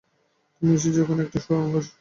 তুমি নিশ্চিত যে ওখানে একটা সুড়ঙ্গ আছে?